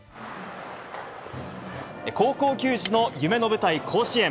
高校球児の夢の舞台、甲子園。